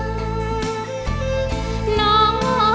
จากกระย่ามดีแกที่พ่อปัญหาลบเลือด